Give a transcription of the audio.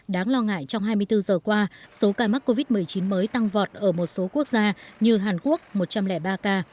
đáng lo ngại trong hai mươi bốn giờ qua số ca mắc covid một mươi chín mới tăng vọt ở một số quốc gia như hàn quốc một trăm linh ba ca